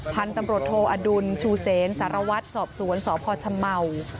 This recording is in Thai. พันธุ์ตำรวจโทอดุลชูเซนสารวัตรสอบสวนสพชเมา